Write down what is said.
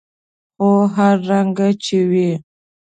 خو هر رنګه چې وي.